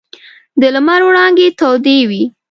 د لمر وړانګې تودې وې.